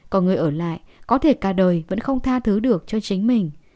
còn người ở lại có thể cả đời vẫn không tha thứ được cho chính mình